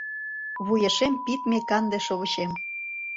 Вуешем пидме канде шовычем